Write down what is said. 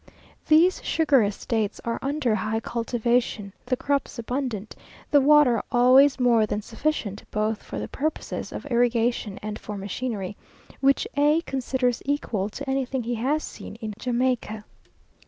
These sugar estates are under high cultivation, the crops abundant, the water always more than sufficient both for the purposes of irrigation and for machinery, which A considers equal to anything he has seen in Jamaica.